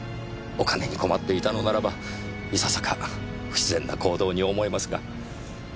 お金に困っていたのならばいささか不自然な行動に思えますが。